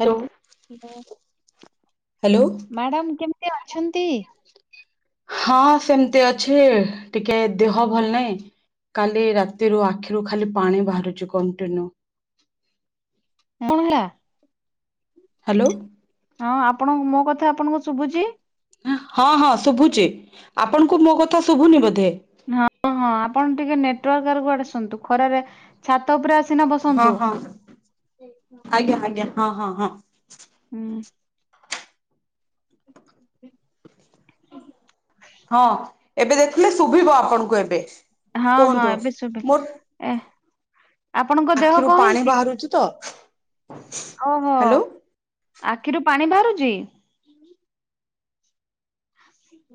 Hello hello. Hello. Madam କେମିତି ଅଛନ୍ତି? ହଁ ସେମିତି ଅଛି ଟିକେ ଦେହ ଭଲ ନାହିଁ। କାଲି ରାତିରୁ ଆଖିରୁ ଖାଲି ପାଣି ବାହାରୁଛି କଣ୍ଟିନ୍ୟୁ। [unintelligible] ହ୍ୟାଲୋ। ହଁ ଆପଣ ମୋ କଥା ଆପଣଙ୍କୁ ଶୁଭୁଛି? ହଁ ହଁ ଶୁଭୁଛି ଆପଣଙ୍କୁ ମୋ କଥା ଶୁଭୁନି ବୋଧେ? ହଁ ହଁ ଆପଣ ଟିକେ ନେଟୱାର୍କ ଆୁଆଡେ ଶୁଣନ୍ତୁ ଖରାରେ ଛାତ ଉପରେ ଆସିନା ବସନ୍ତୁ। ହଁ-ହଁ ଆଜ୍ଞା-ଆଜ୍ଞା ହଁ-ହଁ-ହଁ। ହୁଁ। ହଁ ଏବେ ଦେଖିଲେ ଶୁଭିବ ଆପଣଙ୍କୁ ଏବେ, ହଁ ହଁ କୁହନ୍ତୁ ଏବେ ଶୁଭିଲା ମୋ ଏ ଆପଣଙ୍କ ଦେହ କଣ ହେଇଚି? [unintelligible] ତ? ଓହୋ ହ୍ୟାଲୋ ଆଖିରୁ ପାଣି ବାହାରୁଚି?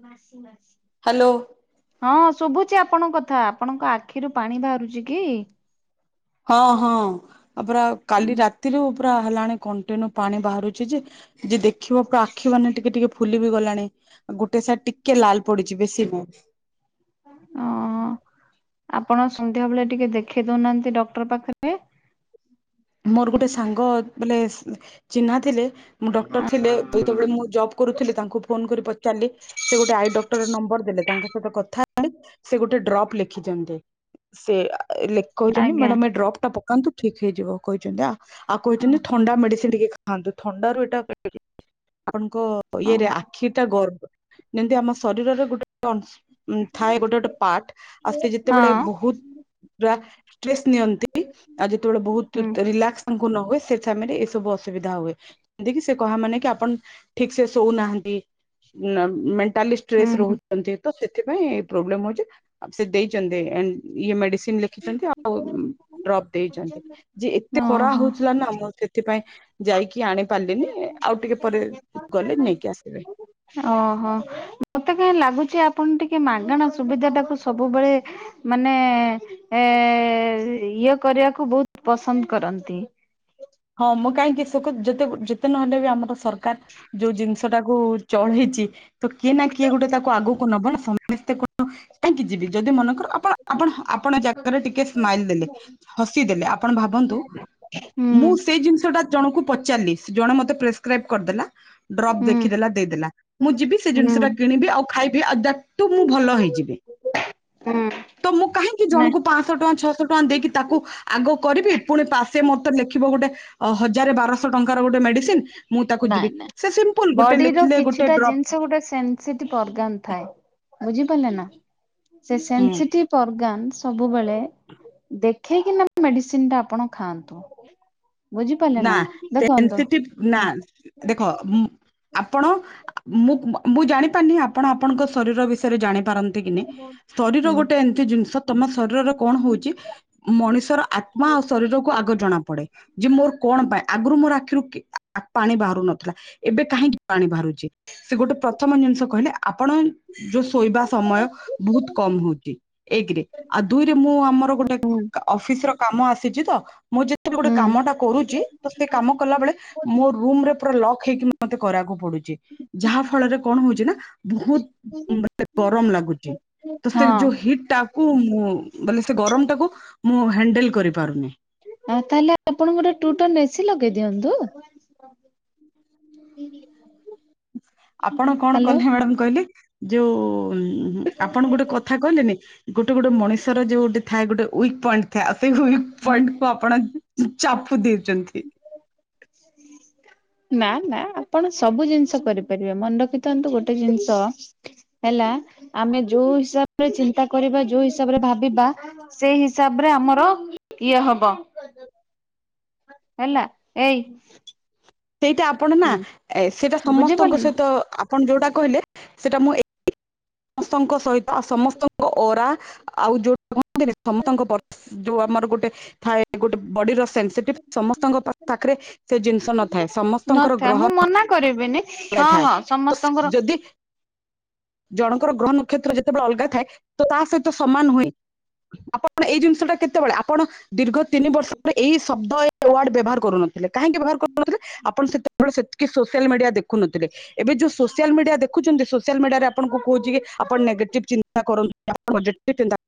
ନାଶ ନାସି ହାଲୋ। ହଁ ଶୁଭୁଛି ଆପଣଙ୍କ କଥା, ଆପଣଙ୍କ ଆଖିରୁ ପାଣି ବାହାରୁଛି କି? ହଁ-ହଁ ପୁରା କାଲି ରାତିରୁ ପୁରା ହେଲାଣି କଣ୍ଟିନ୍ୟୁ ପାଣି ବାହାରୁଛି ଯେ। ଯିଏ ଦେଖିବ ପୁରା ଆଖି ମାନେ ଟିକେ-ଟିକେ ଫୁଲି ବି ଗଲାଣି। ଗୋଟେ ସାଇଟ୍ ଟିକେ ଲାଲ୍ ପଡିଛି ବେଶୀ ନୁହେଁ। ଓହୋ ଆପଣ ସନ୍ଧ୍ୟାବେଳେ ଟିକେ ଦେଖେଇ ଦଉନାହାନ୍ତି ଡକ୍ଟର ପାଖେରେ। ମୋର ଗୋଟେ ସାଙ୍ଗ ବୋଇଲେ ଚିହ୍ନା ଥିଲେ ମୁ ଡକ୍ଟର ଥିଲେ ଯେତେବେଳେ ମୁଁ ଜବ୍ କରୁଥିଲି ତାଙ୍କୁ ଫୋନ୍ କରି ପଚାରିଲି। ସେ ଗୋଟେ ଆଇ ଡକ୍ଟର ନମ୍ବର୍ ଦେଲେ ତାଙ୍କ ସହିତ କଥା ହେଲି, ସେ ଗୋଟେ ଡ୍ରପ୍ ଲେଖିଚନ୍ତି। ସେଏ ଆ ଲେ କହିଚନ୍ତି ଆଜ୍ଞା। ମ୍ୟାଡମ୍ ଏଇ ଡ୍ରପ୍ ଟା ପକାନ୍ତୁ ଠିକ୍ ହେଇଯିବ କହିଚନ୍ତି, ଆଉ ହଁ କହିଚନ୍ତି ହଁ ଥଣ୍ଡା ମେଡିସିନ୍ ଟିକେ ଖାଆନ୍ତୁ ଥଣ୍ଡ ରୁ ଏଇଟା ଆପଣଙ୍କ ହଁ ଇଏରେ ଆଖିଟା ଗର ଯେମିତି ଆମ ଶରୀରରେ ଗୋଟେ ଉଁ ଥାଏ ଗୋଟେ-ଗୋଟେ ପାର୍ଟ, ଆଉ ସେ ଯେତେବେଳେ ବହୁତ୍ ପୁରା ଷ୍ଟ୍ରେସ୍ ନିଅନ୍ତି ଆଉ ଯେତେବେଳେ ବହୁତ୍ ହଁ ରିଲାକ୍ସ ତାଙ୍କୁ ନ ହୁଏ ସେ ସମୟ ରେ ଏସବୁ ଅସୁବିଧା ହୁଏ। [unintelligible] ସେ କହା ମାନେ କି ଆପଣ ଠିକସେ ଶୋଉନାହାନ୍ତି। ମେଣ୍ଟାଲି ଷ୍ଟ୍ରେସ୍ ହୁଁ ହୁଁ ରହୁ ତ ସେଥିପାଇଁ ଏଇ ପ୍ରୋବ୍ଲମ୍ ହଉଚି ଆଉ ସେ ଦେଇଚନ୍ତି ଏନ୍ ଇଏ ମେଡ଼ିସିନ୍। ଲେଖିଚନ୍ତି ଆଉ ଡ୍ରପ୍ ଦେଇଛନ୍ତି ଯେ ଏତେ ଖରା ଓହୋ। ହଉଥିଲା ନା ମୋ ସେଥିପାଇଁ ଯାଇକି ଆଣି ପାରିଲିନି ଆଉ ଟିକେ ପରେ ଗଲେ ନେଇକି ଆସିବି। ଓହୋ ମତେ କାହିଁ ଲାଗୁଚି ଆପଣ ଟିକେ ମାଗଣା ସୁବିଧା ଟାକୁ ସବୁବେଳେ ମାନେ ଏ ଇଏ କରିବାକୁ ବହୁତ୍ ପସନ୍ଦ କରନ୍ତି। ହଁ ମୁଁ କାହିଁକି [unintelligible] ଯେତେ-ଯେତେ ନହେଲେ ବି ଆମର ସରକାର୍ ଯୋଉ ଜିନିଷଟାକୁ ଚଳେଇଚି ତ କିଏ ନା କିଏ ଗୋଟେ ତାକୁ ଆଗକୁ ନବ ନା, ସମସ୍ତେ କଣ କାହିଁକି ଯିବେ ଯଦି ମନେକର ଆପଣ-ଆପଣ-ଆପଣ ଜାଗାରେ ଟିକେ ସ୍ମାଇଲ ଦେଲେ ହସି ଦେଲେ ଆପଣ ଭାବନ୍ତୁ ହୁଁ ମୁଁ ସେଇ ଜିନିଷଟା ଜଣକୁ ପଚାରିଲି, ଜଣେ ମତେ ପ୍ରେସକ୍ରାଇବ୍ କରିଦେଲା। ଡ୍ରପ୍ ହୁଁ ଦେଖିଦେଲା ଦେଇଦେଲା ମୁଁ ଯିବି ସେ ହୁଁ ଜିନିଷଟା କିଣିବି ଆଉ ଖାଇବି ଆଉ ଦ୍ୟାଟ୍ ଟୁ ମୁଁ ଭଲ ହେଇଯିବି। ହୁଁ ତ ମୁଁ କାହିଁକି ନା ଜଣଙ୍କୁ ପାଞ୍ଚଶହ ଟଙ୍କା ଛଅଶହ ଟଙ୍କା ଦେଇକି ତାକୁ ଆଗ କରିବି ପୁଣି ପାଶେ ମତେ ଲେଖିବ ଗୋଟେ ହଜାରେ ବାରଶହ ଟଙ୍କାର ଗୋଟେ ମେଡିସିନ୍। ମୁଁ ତାକୁ ନାଇଁ ଯିବି ନାଇଁ। ସେ ସିମ୍ପଲ୍ ଗୋଟେ ବଡିର ଲେଖିଲେ ଗୋଟେ କିଛିଟା ଡ୍ରପ୍। ଜିନିଷ ଗୋଟେ ସେନ୍ସିଟିଭ୍ ଅର୍ଗାନ ଥାଏ ବୁଝିପାରିଲେ ନା, ସେ ହୁଁ ସେନ୍ସିଟିଭ୍ ଅର୍ଗାନ ସବୁବେଳେ ଦେଖେଇକିନା ମେଡିସିନ୍ ଟା ଆପଣ ଖାଆନ୍ତୁ। ବୁଝିପାରିଲେ ନା ଦେଖନ୍ତୁ। ସେନ୍ସିଟିଭ୍ ନା ହୁଁ ଦେଖ ଆପଣ ମୁଁ-ମୁଁ ଜାଣିପାରିନି ଆପଣ ଆପଣଙ୍କ ଶରୀର ବିଷ ୟରେ ଜାଣିପାରନ୍ତି କି ନି ହୁଁ ଶରୀର ଗୋଟେ ଏମ୍ତି ଜିନିଷ ତମ ଶରୀରର କଣ ହଉଚି ମଣିଷର ଆତ୍ମା ଆଉ ଶରୀରକୁୁ ଆଗ ଜଣା ପଡେ, ଯେ ମୋର କଣ ପାଇଁ ଆଗରୁ ମୋର ଆଖିରୁ ପାଣି ବାହାରୁ ନଥିଲା, ଏବେ କାହିଁକି ପାଣି ବାହାରୁଚି। ସେ ଗୋଟେ ପ୍ରଥମ ଜିନିଷ କହିଲେ, ଆପଣ ଯୋଉ ଶୋଇବା ସମୟ ବହୁତ୍ କମ୍ ହଉଚି। ଏକରେ ଆଉ ଦୁଇରେ ମୁଁ ଆମର ଗୋଟେ ହୁଁ ଅଫିସ୍ ର କାମ ଆସିଛି ତ ମୁଁ ଯେତେବେଳେ ଗୋଟେ ହୁଁ କାମ ଟା କରୁଚି ତ ସେ କାମ କଲାବେଳେ ମୋ ରୁମ ରେ ପୁରା ଲକ୍ ହେଇକି ମତେ କରିବାକୁ ପଡୁଛି। ଯାହା ଫଳରେ କଣ ହଉଛି ନା ବହୁତ ଗରମ ଲାଗୁଛି। ତ ସେ ହଁ। ଯୋଉ ହିଟ୍ ଟାକୁ ମୁଁ ବ ସେ ଗରମ ଟାକୁ ମୁଁ ହ୍ୟାଣ୍ଡେଲ କରିପାରୁନି। ଆଉ ତାହଲେ ଆପଣ ଗୋଟେ ଟୁ ଟର୍ ଏସି ଲଗେଇ ଦିଅନ୍ତୁ। ସେୁ [unintelligible] ଆପଣ କଣ କଲେ ମ୍ୟାଡାମ କହିଲି ଯୋଉ ହୁଁ ଆପଣ ଗୋଟେ କଥା କହିଲେନି ଗୋଟେ ଗୋଟେ ମଣିଷର ଯଉ ଗୋଟେ ଥାଏ ଗୋଟେ ୱିକ୍ ପଏଣ୍ଟ [unintelligible] ୱିକ୍ ପଏଣ୍ଟ ଆପଣ ଚାପୁ ଦେଉଛନ୍ତି। ହୁଁ ନା ନା ଆପଣ ସବୁ ଜିନିଷ କରିପାରିବେ ମନେ ରଖିଥାନ୍ତୁ ଗୋଟେ ଜିନିଷ। ହେଲା ଆମେ ଯୋଉ ହିସାବରେ ଚିନ୍ତା କରିବା ଯୋଉ ହିସାବରେ ଭାବିବା ସେଇ ହିସାବ ରେ ଆମର ଇଏ ହବ। ହେଲା ଏଇୟ ସେଇଟା ଆପଣ ନା ସେଇଟା ବୁଝିପାରିଲୁ ସମସ୍ତଙ୍କ ନା ସହିତ ଆପଣ ଯୋଉଟା କହିଲେ ସେଇଟା ମୁଁ ସମସ୍ତଙ୍କ ସହିତ ଆଉ ସମସ୍ତଙ୍କ ଓରା ଆଉ [unintelligible] ସମସ୍ତଙ୍କ। ଯୋଉ ଆମର ଗୋଟେ ଥାଏ ଗୋଟେ ବଡିର ସେନ୍ସିଟିଭ ସମସ୍ତଙ୍କ ପାଖ ପାଖରେ ସେ ଜିନିଷ ନଥାଏ ସମସ୍ତଙ୍କର ନଥା ମୁଁ ଗ୍ରହ ମନା କରିବିନି ହଁ ଥାଏ ହଁ ତ ସମସ୍ତଙ୍କର ଯଦି ଜଣଙ୍କର ଗ୍ରହ ନ କ୍ଷେତ୍ର ଯେତେବେଳେ ଅଲଗା ଥାଏ ତ ତା ସହିତ ସମାନ ହୁଏ ଆପଣ ଏଇ ଜିନିଷ ଟା କେତେବେଳେ ଆପଣ ଦୀର୍ଘ ତିନି ବର୍ଷ ଏଇ ଶବ୍ଦ ୱ। ଡ଼ ବ୍ୟବହାର କରୁନଥିଲେ କାହିଁକି ବ୍ୟବହାର କରୁନଥିଲେ ଆପଣ ସେ କେବଳ ସେତିକି ସୋସିଆଲ ମିଡିଆ ଦେଖୁନଥିଲେ ଏବେ ଯୋଉ ସୋସିଆଲ ମିଡିଆ ଦେଖୁଛନ୍ତି ସୋସିଆଲ ମିଡିଆରେ ଆପଣଙ୍କୁ କହୁଛିିକ ଆପଣ ନେଗେଟିଭ ଚିନ୍ତା କରୁ ପଜିଟିଭ୍ ଚିନ୍ତା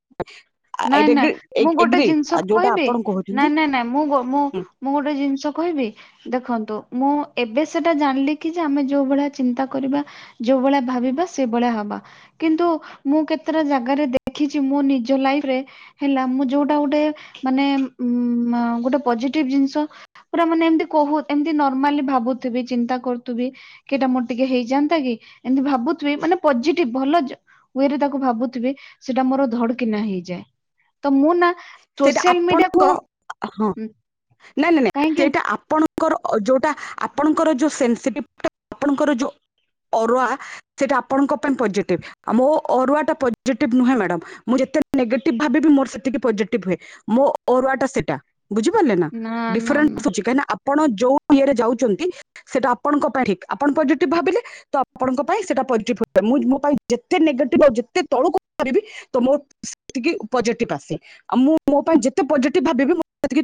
ନାଇଁ ନାଇଁ ମୁଁ ଗୋଟେ ଜିନିଷ ଯୋଉଟା କହିବି ଆପଣ କହୁଛନ୍ତି ନାଇଁ ନାଇଁ ନାଇଁ ମୁଁ ମୁଁ ହୁଁ ମୁଁ ଗୋଟେ ଜିନିଷ କହିବି। ଦେଖନ୍ତୁ ମୁଁ ଏବେ ସେଟା ଜାଣିଲି କି ଯେ ଆମେ ଯୋଉ ଭଳିଆ ଚିନ୍ତା କରିବା ଯୋଉ ଭଳିଆ ଭାବିବା ସେଇଭଳିଆ ହବା। କିନ୍ତୁ ମୁଁ କେତେଟା ଜାଗାରେ ଦେଖିଛି ମୁଁ ନିଜ ଲାଇଫ ହେଲା ମୁ ଯୋଉଟା ଗୋଟେ ମାନେ ଗୋଟେ ପଜେଟିଭ ଜିନିଷ ପୁରା ମାନେ ଏମତି କହୁ ଏମିତି ନର୍ମାଲି ଭାବୁଥିବି ଚିନ୍ତା କରୁଥିବି। କେଟା ମୋର ଟିକେ ହେଇଯାନ୍ତା କି ଏମିତି ଭାବୁଥିବି ମାନେ ପଜେଟିଭ ଭଲ ହୁଏରେ ତାକୁ ଭାବୁଥିବେ ସେଟା ମୋର ଧଡ କିନା ହେଇଯାଏ ତ ମୁଁ ନା ସେଇଟା ସୋସିଆଲ ମିଡିଆକୁ ଆପଣଙ୍କର ହଁ ନାଇଁ ନାଇଁ ନାଇଁ କାହିଁକି ସେଇଟା ଆପଣଙ୍କ ଙ୍କର ଯୋଉଟା ଆପଣଙ୍କର ଯୋଉ ସେନସଟିଭ ଆପଣଙ୍କର ଯୋଉ ଅରୁଆ ସେଇଟା ଆପଣଙ୍କ ପାଇଁ ପଜେଟିଭ। ଆଉ ମୋ ଅରୁଆ ଟା ପଜେଟିଭ ନୁହେଁ ମଡାମ ମୁଁ ଯେତେ ନେଗେଟିଭ ଭାବି ବି ମୋର ସେତିକି ହୁଏ ମୋ ଅରୁଆ ସେଟା ବୁଝିପାରିଲେ ନା ଡି ନା ନା [unintelligible] ଆପଣ ଯୋଉ ଇଏରେ ଯାଉଛନ୍ତି ସେଇଟା ଆପଣଙ୍କ ପାଇଁ ଠିକ୍ ଆପଣ ପଜେଟିଭ ଭାବିଲେ। ତ ଆପଣଙ୍କ ପାଇଁ ସେଇଟା ପଜେଟିଭ ମୁଁ ମୋ ପାଇଁ ଯେତେ ନେଗେଟିଭ ଆଉ ଯେତେ ତଳୁକୁ କରିବି ତ ମୋ ସେତିକି ପଜେଟିଭ ଆସେ। ଆଉ ମୁଁ ମୋ ପାଇଁ ଯେତେ ପଜେଟିଭ ଭାବିବି ମୁଁ ସେତିକି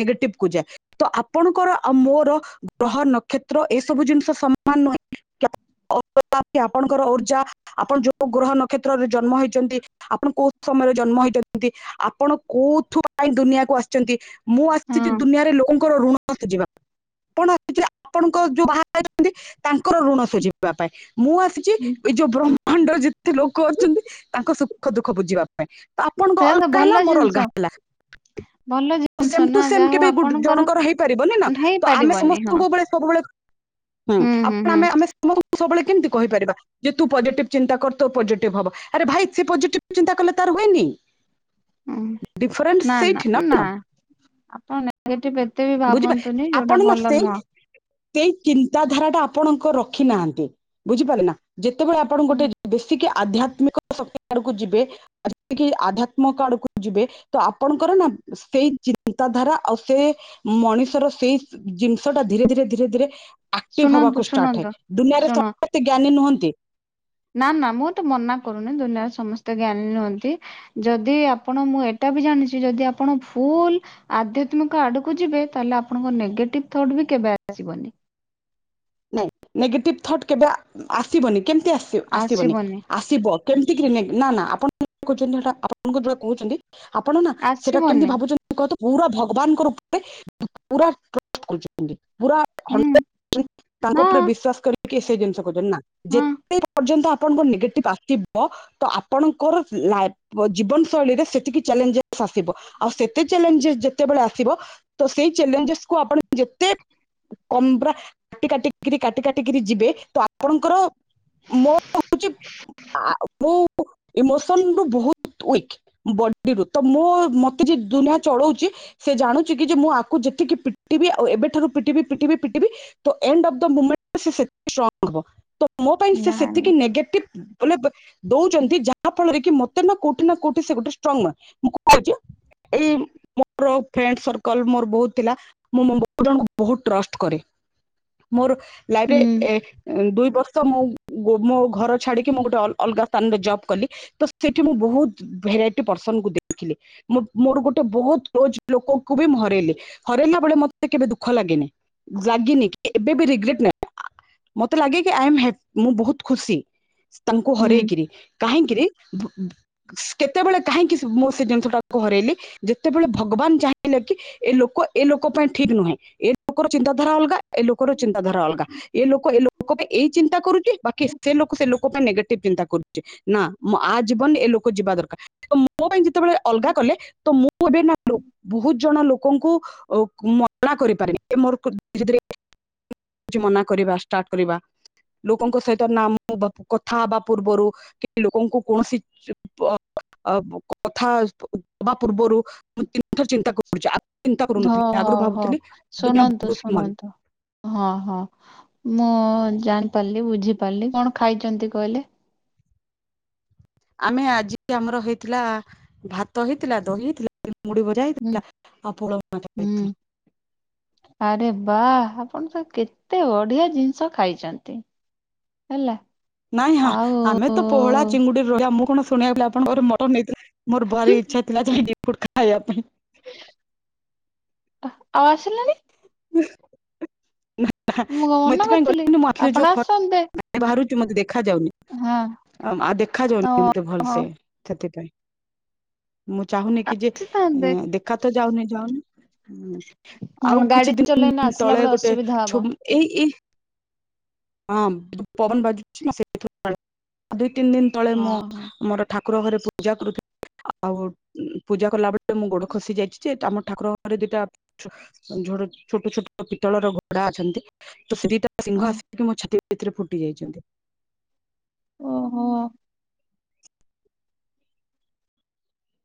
ନେଗେଟିଭ କୁ ଯାଏ। ତ ଆପଣଙ୍କର ଆଉ ମୋର ଗ୍ରହ ନକ୍ଷତ୍ର ଏ ସବୁ ଜିନିଷ ସମାନ ନୁହେଁ [unintelligible] ଆପଣଙ୍କର ଉର୍ଜା ଆପଣ ଯୋଉ ଗ୍ରହ ନକ୍ଷେତ୍ରରେ ଜନ୍ମ ହେଇଛନ୍ତି ଆପଣ କୋଉ ସମୟରେ ଜନ୍ମ ହେଇଛନ୍ତି। ଆପଣ କୋଉଥୁ ପାଇଁ ଦୁନିଆକୁ ଆସିଛନ୍ତି ମୁଁ ଆସିଛି ହଁ ଦୁନିଆରେ ଲୋକଙ୍କର ଋଣ ସୁଝିବା ପାଇଁ। ଆପଣ ଆସ ଆପଣଙ୍କ ଯୋଉ ବାହାଛନ୍ତି [unintelligible] ତାଙ୍କର ଋଣ ସୁଝିବ। ପାଇଁ ମୁଁ ଆସିଛି ଏ ଯୋଉ ବ୍ରହ୍ମାଣ୍ଡର ଯେତେ ଲୋକ ଅଛନ୍ତି ତାଙ୍କ ସୁଖ ଦୁଃଖ ବୁଝିବା ପାଇଁ ତ ଆପଣଙ୍କ ସେୟା ତ ଅଲଗା ହେଲା ଭଲ ମୋର ଜିନିଷ ଅଲଗା ହେଲା। ଭଲ ଜିନିଷ ସେମ ଟୁ ନା ସେମ ଯାହା ହଉ କେବେ ଆପଣଙ୍କର ଜଣଙ୍କର ହେଇପାରିବନ ନା ତ ଆମେ ହେଇପାରିବନି ହଁ ସମସ୍ତଙ୍କଳେ ସବୁବେଳେ ହୁଁ ଆପଣ ଆମେ ଆମେ ସମସ୍ତଙ୍କୁ ସବୁବେଳେ କେମିତି କହିପାରିବା? ଯେ ତୁ ପଜିଟିଭ ଚିନ୍ତା କର ତ ପଜିଟିଭ ହବ ଆରେ ଭାଇ ସେ ପଜିଟିଭ ଚିନ୍ତା କଲେ ତାର ହୁଏନି। ହଁ ଡିଫରେନ୍ସ ନା ନା ସେଇଠି ନା ଆପଣ ନେଗେଟିଭ ଏତେ ବି ବୁଝିପା ଭାବନ୍ତୁନି ଆପଣ ଯୋଉଟା ନା ଭଲ ସେଇ ନୁହଁ। ସେଇ ଚିନ୍ତା ଧାରା ଟା ଆପଣଙ୍କ ରଖି ନାହାନ୍ତି ବୁଝିପାରିଲେ ନା? ଯେତେବେଳେ ଆପଣ ହୁଁ ଗୋଟେ ବେଶୀକି ଆଧ୍ୟାତ୍ମିକ ଶକ୍ତି ଆଡକୁ ଯିବେ ଯେତିକି ଆଧ୍ୟାତ୍ମିକ ଆଡକୁ ଯିବେ ତ ଆପଣଙ୍କର ନା ସେଇ ଚିନ୍ତା ଧାରା ଆଉ ସେ ମଣିଷର ସେଇ ଜିନିଷ ଟା ଧୀରେ ଧୀରେ ଧୀରେ ଧୀରେ ଆକ୍ଟିଭ ଶୁଣନ୍ତୁ ହବାକୁ ଷ୍ଟାର୍ଟ ଶୁଣନ୍ତୁ ହୁଏ, ଦୁନିଆରେ ଶୁଣ ସମସ୍ତେ ଜ୍ଞାନୀ ନୁହଁନ୍ତି। ନା ନା ମୁଁ ତ ମନା କରୁନି ଦୁନିଆରେ ସମସ୍ତେ ଜ୍ଞାନୀ ନୁହନ୍ତି। ଯଦି ଆପଣ ମୁଁ ଏଟା ବି ଜାଣିଛି ଯଦି ଆପଣ ଫୁଲ ଆଧ୍ୟାତ୍ମିକ ଆଡକୁ ଯିବେ ତାହଲେ ଆପଣଙ୍କ ନେଗେଟିଭ ଥଟ ବି କେବେ ଆସିବନି। ନାଇଁ ନେଗେଟିଭ ଥଟ୍ କେବେ ଆ ଆସିବନି କେମିତି ଆସ ଆସିବନି। ଶିବ କେମିତି କି ନେ ନା ନା ଆପଣ କହୁଛନ୍ତି ସେଟା ଆପଣଙ୍କର ଯେଉଁଟା କହୁଛନ୍ତି। ଆପଣ ନା ସେଟା ଆସିବନି କେମିତି ଭାବୁଛନ୍ତି କହ ପୁରା ଭଗବାନଙ୍କ ରୂପରେ ପୁରା [unintelligible] ପୁରା ଘଣ୍ଟ ହୁଁ ତାଙ୍କ ଉପରେ ହଁ ବିଶ୍ୱାସ କରିକି ସେ ଜିନିଷ କଉଛନ୍ତି ନା ହଁ ଯେତେ ପର୍ଯ୍ୟନ୍ତ ଆପଣଙ୍କ ନେଗେଟିଭ ଆସ ଥିବ ତ ଆପଣଙ୍କର ଲାଇ ଜୀବନ ଶୈଳୀରେ ସେତିକି ଚ୍ୟାଲେଞ୍ଜେସ୍ ଆସିବ ଆଉ ସେତେ ଚ୍ୟାଲେଞ୍ଜେସ ଯେତେବେଳେ ଆସିବ ତ ସେଇ ଚ୍ୟାଲେଞ୍ଜେସ୍ କୁ ଆପଣ ଯେତେ କ ମ୍ବ୍ରା କାଟି କାଟିକରି କାଟି କାଟିକିରି ଯିବେ ତ ଆପଣଙ୍କର ମୋଉଛି ଆ ମୁଁ ଇମୋସନ ରୁ ବହୁତ ୱିକ। ବଡିରୁୁ ତ ମୁଁ ମତେ ଯ ଦୁନିଆ ଚଳଉଛି ସେ ଜାଣୁଛି କି ଯେ ମୁଁ ଆକୁ ଯେତିକି ପିଟିବି ଆଉ ଏବେଠାରୁ ପିଟିବି ପିଟିବି ପିଟିବି। ତ ଏଣ୍ଡ ଅଫ୍ ଦ ମୁମେଣ୍ଟ ସେ ସେତିକି ଷ୍ଟ୍ରଙ୍ଗ ହେବ ତ ମୋ ପାଇଁ ସେ ନା ନା ସେତିକି ନେଗେଟିଭ ବୋଲେ ଦଉଛନ୍ତି ଯାହା ଫଳରେ କି ମତେ ନା କୋଉଠି ନା କୋଉଠି ସେ ଗୋଟେ ଷ୍ଟ୍ରଙ୍ଗ ନୁହେଁ ମୁଁ କହୁଛି। ଏଇ ମୋର ଫ୍ରେଣ୍ଡ ସର୍କଲ ମୋର ବହୁତ ଥିଲା। ମୁଁ ମୁଁ ବୋ ଜଣଙ୍କୁ ବହୁତ ଟ୍ରଷ୍ଟ କରେ। ମୋର ଲାଇଫରେ ଏ ଦୁଇ ବର୍ଷ ମୁଁ ମୋ ଘର ଛାଡ଼ିକି ମୁଁ ଗୋଟେ ଅ ଅଲଗା ସ୍ଥାନରେ ଜବ୍ କଲି। ତ ସେଠି ମୁଁ ବହୁତ ଭେରାଇଟ ପର୍ସନ କୁ ଦେଖିଲି ମୋ ମୋର ଗୋଟେ ବହୁତ କ୍ଲୋଜ୍ ଲୋକଙ୍କୁ ବି ମୁଁ ହରେଇଲି ହରାଇଲା ବେଳେ ମତେ କେବେ ଦୁଃଖ ଲାଗେନି ଲାଗିନି। ଏବେବି ରିଗ୍ରେଟ ନାହିଁ ମତେ ଲାଗେ ଆଇଏମ୍ ହେ ମୁଁ ବହୁତ ଖୁସି। ତାଙ୍କୁ ହରାଇକିରି କାହିଁକିରି ଭୁ ଭୁ? କେତେବେଳେ କାହିଁକି ମୁଁ ସେ ଜିନିଷ ଟାକୁ ହରାଇଲି? ଯେତେବେଳେ ଭଗବାନ ଚାହିଁଲେ କି ଏ ଲୋକ ଏ ଲୋକ ପାଇଁ ଠିକ ନୁହେଁ, ଏ ଲୋକର ଚିନ୍ତାଧାରା ଅଲଗା। ଏ ଲୋକର ଚିନ୍ତାଧାରା ଅଲଗା। ଏ ଲୋକ ଏ ଲୋକ ପାଇଁ ଏଇ ଚିନ୍ତା କରୁଛି ବାକି ସେ ଲୋକ ସେ ଲୋକ ପାଇଁ ନେଗେଟିଭ ଚିନ୍ତା କରୁଛି। ନାଁ ଆ ଜୀବନରେ ଏ ଲୋକ ଯିବା ଦରକାର ମୋ ପାଇଁ ଯେତେବେଳେ ଅଲଗା କଲେ ତ ମୁଁ ଏବେ ନା ବହୁ ଜଣ ଲୋକଙ୍କୁ ମନା କରିପାରିନି। [unintelligible] ମନା କରିବା ଷ୍ଟାର୍ଟ କରିବା ଲୋକଙ୍କ ସହିତ ନାମ କଥା ହବା ପୂର୍ବରୁ। କି ଲୋକଙ୍କୁ କୌଣସି ଚି ପ ଅ କଥା ଦବା ପୂର୍ବରୁ ମୁ ତିନିଥର ଚି ଚ କରୁଛି ଆଗ ଚିନ୍ତା କରୁନଥିଲି, ହଉ ଆଗରୁ ହଉ ହଉ ଭାବୁଥିଲି ଦୁନିଆ ଶୁଣନ୍ତୁ ବହୁତ ଶୁଣନ୍ତୁ ହଁ ହଁ ମୁଁ ଜାଣିପାରିଲି, ବୁଝିପାରିଲି, କଣ ଖାଇଛନ୍ତି କହିଲେ? ଆମେ ଆଜି ଆମର ହେଇଥିଲା ଭାତ ହେଇଥିଲା ଦହି ହେଇଥିଲା ମୁଡି ହୁଁ ଜାହେଇଥିଲା ଆଉ। [unintelligible] ହୁଁ ଆରେ ବା ଆପଣ ତ କେତେ ବଢିଆ ଜିନିଷ ଖାଇଚନ୍ତି। ହେଲା। ନାଇଁ ଆ ଆଉ ଆମେ ତ ପୋହଳା, ଚିଙ୍ଗୁଡି, ରୋହି ଆଉ ମୁଁ କଣ ଶୁଣିବାକୁ ଆପଣଙ୍କର ମଟନ୍ ହେଇଥିଲା ମୋର ହୁଁ ଭାରି ଇଚ୍ଛା ଥିଲା ଯାଇ [unintelligible] ଖାଇବା ପାଇଁ। ଆ-ଆଉ ଆସିଲେନି? [unintelligible] କଣ ମୁଁ ମନା ଏଥିପାଇଁ କରିଥିଲି ଗଲିନି ମୋ ଆଖିରେ ଆପଣ ଯୋଉ ଖ ଆସନ୍ତେ ବାହାରୁଚି ମତେ ଦେଖା ଯାଉନି ହଁ ଆଉ ଦେଖା ଯାଉନି ମତେ ଓହୋ ଭଲସେ। ସେଥିପାଇଁ ମୁଁ ଚାହୁଁନି କି ଯେ ଏ ଆସିଥାନ୍ତେ ଦେଖା ତ ଯାଉନି ଯାଉନି ହୁଁ ହଁ ଆଉ ଗାଡି କିଛି ଚଲେଇନା ଦିନ ଆସିଲା ତଳେ ବେଳେ ଗୋଟେ ଅସୁବିଧା ଛୋ ହବ ଏଇ ଏଇ ହଁ ପବନ ବାଜୁଚି ନା ସେଇଥିରୁ କାଳେ ଦୁଇତିନି ଦିନ ତଳେ ହଁ ମୋ ହଁ ମୋର ଠାକୁର ଘରେ ପୂଜା କରୁଥି ଆଉ ଉ ପୂଜା କଲା ବେଳେ ମୁଁ ଗୋଡ ଖସି ଯାଇଚି ଯେ ଆମ ଠାକୁର ଘରେ ଦିଟା ଝୋଡେ ଛୋଟ ଛୋଟ ପିତଳର ଘୋଡା ଅଛନ୍ତି ତ ସେ ଦିଟା ସିଂହ ହଁ ଆସିକି ମୋ ଛାତି ଭିତରେ ଫୁଟି ଯାଇଚନ୍ତି। ଓହୋ।